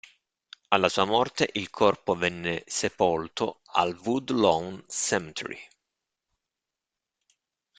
Alla sua morte il corpo venne sepolto al Woodlawn Cemetery.